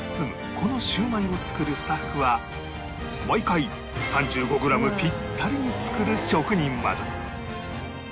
このシューマイを作るスタッフは毎回３５グラムピッタリに作る職人技